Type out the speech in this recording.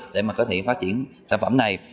để có thể phát triển sản phẩm này